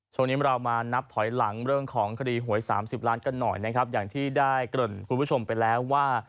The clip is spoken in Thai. ช่วงนี้เรามานับถอยหลังเรื่องของคดีหวยสามสิบล้านกันหน่อยนะครับอย่างที่ได้เกริ่นคุณผู้ชมไปแล้วว่า